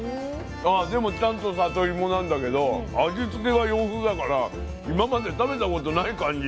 でもちゃんとさといもなんだけど味つけは洋風だから今まで食べたことない感じ。